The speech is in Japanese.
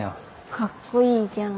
カッコいいじゃん。